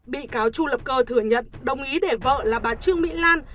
bị cáo chu lập cơ thừa nhận đồng ý để vợ là bà trương mỹ lan